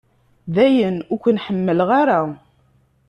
Dayen ur ken-ḥemmleɣ ara.